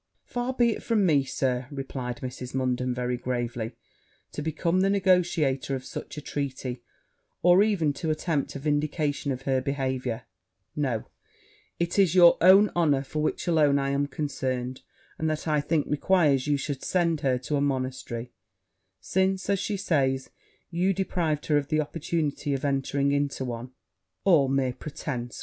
'Far be it from me, Sir,' replied Mrs. Munden very gravely, 'to become the negociator of such a treaty, or even to attempt a vindication of her behaviour: no, it is your own honour, for which alone I am concerned; and that, I think, requires you should send her to a monastery; since, as she says, you deprived her of the opportunity of entering into one.' 'All mere pretence!'